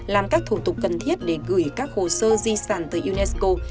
làm các thủ tục cần thiết để gửi các hồ sơ di sản tới unesco